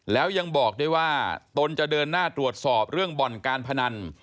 แล้วยังบอกได้ว่าตนจะเดินหน้าตรวจสอบเรื่องบ่อนการพนัน